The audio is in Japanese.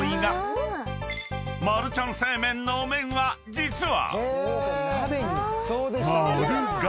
［マルちゃん正麺の麺は実は］